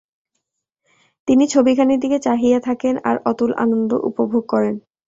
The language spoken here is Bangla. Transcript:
তিনি ছবিখানির দিকে চাহিয়া থাকেন, আর অতুল আনন্দ উপভোগ করেন।